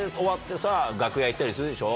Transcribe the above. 楽屋行ったりするでしょ？